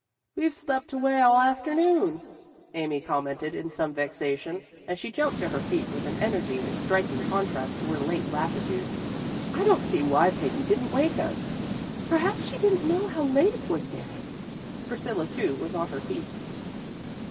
"We've slept away all the afternoon," Amy commented in some vexation, as she jumped to her feet with an energy in striking contrast to her late lassitude. "I don't see why Peggy didn't wake us." "Perhaps she didn't know how late it was getting." Priscilla, too, was on her feet.